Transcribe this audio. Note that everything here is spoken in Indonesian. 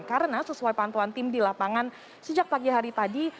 karena sesuai pantuan tim di lapangan sejak pagi hari tadi